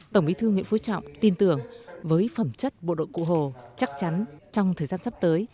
tổng bí thư nguyễn phú trọng tin tưởng với phẩm chất bộ đội cụ hồ chắc chắn trong thời gian sắp tới